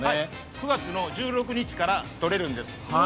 ９月１６日からとれるんです。